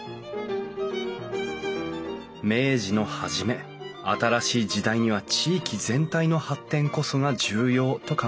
明治の初め新しい時代には地域全体の発展こそが重要と考え